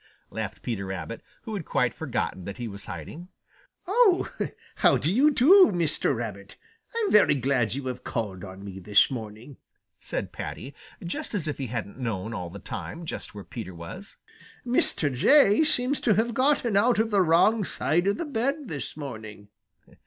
laughed Peter Rabbit, who had quite forgotten that he was hiding. "Oh, how do you do, Mr. Rabbit? I'm very glad you have called on me this morning," said Paddy, just as if he hadn't known all the time just where Peter was. "Mr. Jay seems to have gotten out of the wrong side of his bed this morning."